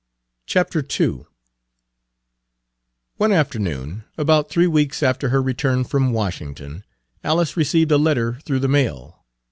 II One afternoon, about three weeks after her return from Washington, Alice received a letter through the mail.